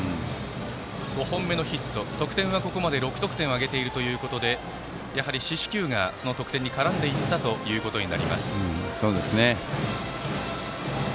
５本目のヒット、得点はここまで６得点を挙げているということでやはり四死球が得点に絡んでいったことになります。